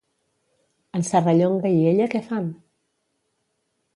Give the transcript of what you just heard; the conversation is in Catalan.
En Serrallonga i ella què fan?